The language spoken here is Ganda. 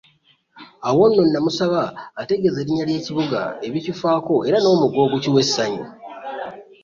Awo nno nnamusaba antegeeze erinnya ly'ekibuga, ebikifaako era n'omugga ogukiwa essanyu